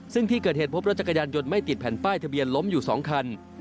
ซึ่งที่เกิดเหตุพบรถจักรยานยนต์ไม่ติดแผ่นป้ายทะเบียนล้มอยู่๒คัน